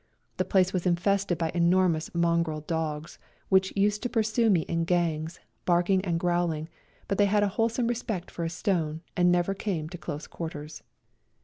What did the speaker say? The place was infested by enormous mongrel dogs, which used to pursue me in gangs, barking and growling, but they had a wholesome respect for a stone, and never came to close quarters.